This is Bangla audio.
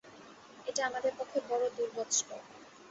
এটা আমাদের পক্ষে বড় দুর্বৎসর।